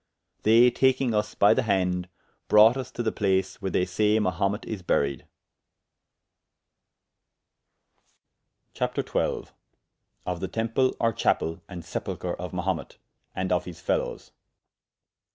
They taking vs by the hande, brought vs to the place where they saye Mahumet is buried. CHAPTER XII.Of the Temple or Chapell, and Sepulchre of Mahumet, and of his Felowes.